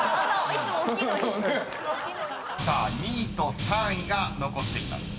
［さあ２位と３位が残っています］